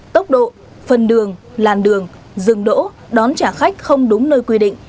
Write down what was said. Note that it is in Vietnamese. tốc độ phần đường làn đường dừng đỗ đón trả khách không đúng nơi quy định